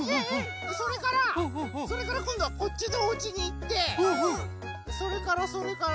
それからそれからこんどはこっちのおうちにいってそれからそれから。